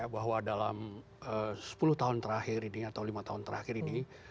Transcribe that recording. bahwa dalam sepuluh tahun terakhir ini atau lima tahun terakhir ini